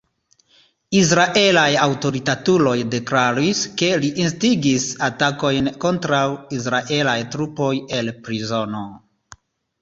Israelaj aŭtoritatuloj deklaris, ke li instigis atakojn kontraŭ israelaj trupoj el prizono.